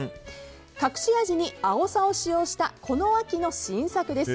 隠し味にあおさを使用したこの秋の新作です。